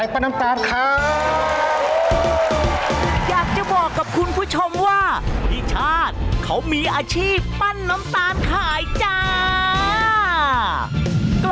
พี่อยากได้เงินไปทำอะไรเอ่ย